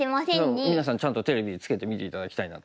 うんみなさんちゃんとテレビつけて見て頂きたいなと。